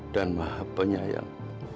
dan maha penyayang